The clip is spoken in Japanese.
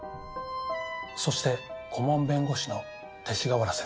そして顧問弁護士の勅使川原先生。